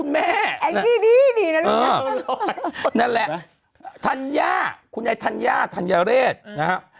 นั้นแหละทัญญาคุณนายทัญญาทัญญาเรจ